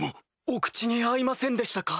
お口に合いませんでしたか？